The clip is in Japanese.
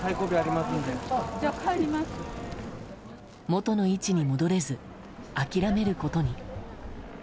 元の位置に戻れず諦めることに。